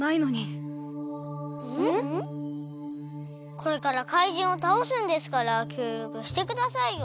これからかいじんをたおすんですからきょうりょくしてくださいよ！